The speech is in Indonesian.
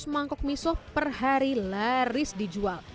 dua ratus mangkok mie sop per hari laris dijual